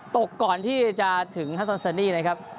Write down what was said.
ตกก่อนที่จะถึงฮัสซอนซานี่นะครับ